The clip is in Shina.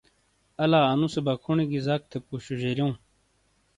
الا اَنُو سے بکھونی گی زَک تھے پُوشا جَریو۔